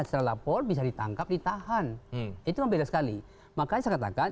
setelah terlapor bisa ditangkap ditahan